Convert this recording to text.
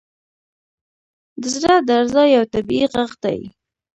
• د زړه درزا یو طبیعي ږغ دی.